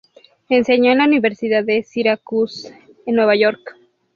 Enseñó en la Universidad de Syracuse, en Nueva York.